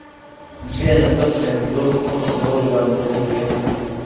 بێنە سەد سوێندی بۆ بخۆم ئەمڕۆ جوانترە لە دوێنێ